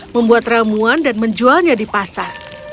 membuat ramuan dan menjualnya di pasar